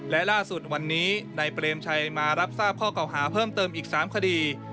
และล่าสุดวันนี้นายเปรมชัยมารับทราบข้อเก่าหาเพิ่มเติมอีก๓คดี